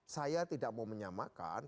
saya tidak mau menyamakan